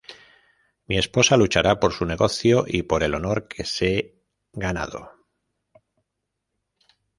Mi esposa luchará por su negocio y por el honor que se ganado.